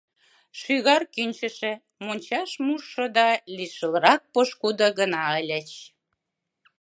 Шӱгар кӱнчышӧ, мончаш мушшо да лишылрак пошкудо гына ыльыч.